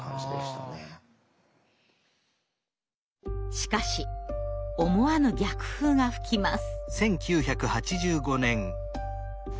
しかし思わぬ逆風が吹きます。